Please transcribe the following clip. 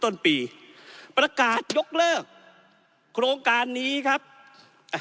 ต้นปีประกาศยกเลิกโครงการนี้ครับอ่ะ